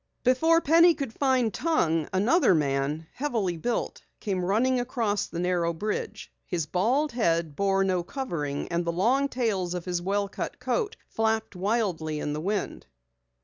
Before Penny could find tongue, another man, heavily built, came running across the narrow bridge. His bald head bore no covering and the long tails of his well cut coat flapped wildly in the wind.